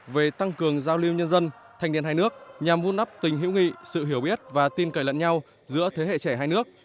về tăng cường giao lưu nhân dân thanh niên hai nước nhằm vun đắp tình hiểu nghị sự hiểu biết và tin cậy lẫn nhau giữa thế hệ trẻ hai nước